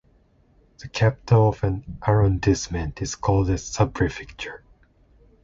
The capital of an arrondissement is called a subprefecture.